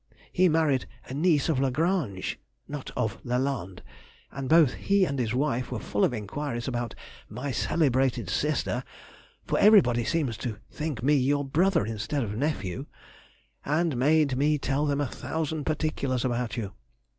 He married a niece of Lagrange (not of Lalande), and both he and his wife were full of enquiries about my "celebrated sister," (for everybody seems to think me your brother, instead of nephew), and made me tell them a thousand particulars about you.